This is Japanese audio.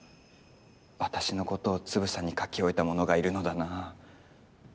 私のことをつぶさに書き置いた者がいるのだな。